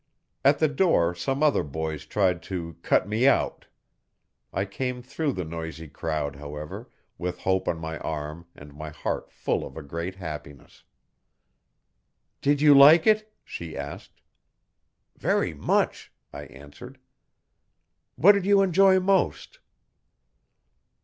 At the door some other boys tried 'to cut me out'. I came through the noisy crowd, however, with Hope on my arm and my heart full of a great happiness. 'Did you like it?' she asked. 'Very much,' I answered. 'What did you enjoy most?'